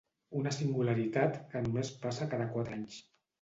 Una singularitat que només passa cada quatre anys.